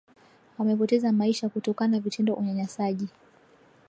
wamepoteza maisha kutokana vitendo unyanyasaji